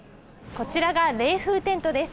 こちらが冷風テントです。